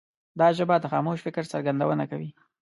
دا ژبه د خاموش فکر څرګندونه کوي.